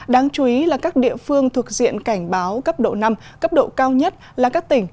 đáng chú ý là các địa phương thuộc diện cảnh báo cấp độ năm cấp độ cao nhất là các tỉnh